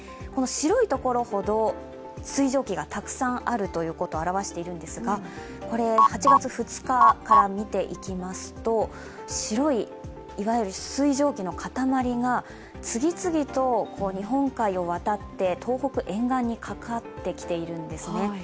白い所ほど水蒸気がたくさんあるということを表しているんですが、これ８月の２日から見ていきますと白いいわゆる水蒸気のかたまりが次々と日本海を渡って東北沿岸にかかってきているんですね。